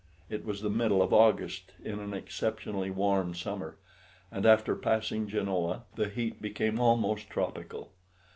It was the middle of August in an exceptionally warm summer, and after passing Genoa the heat became almost tropical.